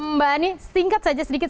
mbak ani singkat saja sedikit